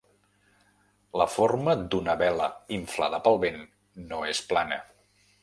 La forma d'una vela inflada pel vent no és plana.